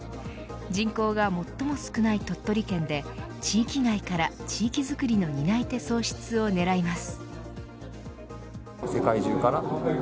人口が最も少ない鳥取県で地域外から地域づくりの担い手創出を狙います。